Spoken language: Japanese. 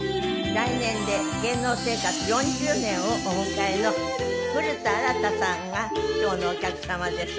来年で芸能生活４０年をお迎えの古田新太さんが今日のお客様です。